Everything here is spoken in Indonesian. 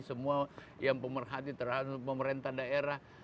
semua yang pemerhati terhadap pemerintah daerah